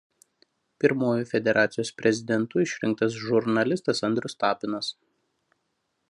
Pirmuoju federacijos prezidentu išrinktas žurnalistas Andrius Tapinas.